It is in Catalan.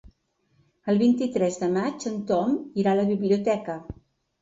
El vint-i-tres de maig en Tom irà a la biblioteca.